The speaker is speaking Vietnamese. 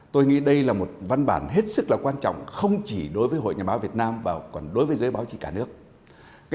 tôi nghĩ đây là một văn bản hết sức là quan trọng không chỉ đối với hội nhà báo việt nam mà còn đối với giới báo chí cả nước